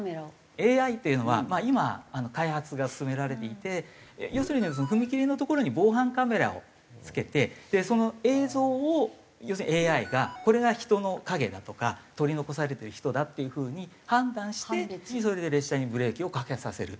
ＡＩっていうのは今開発が進められていて要するに踏切の所に防犯カメラを付けてその映像を要するにＡＩがこれが人の影だとか取り残されている人だという風に判断してそれで列車にブレーキをかけさせると。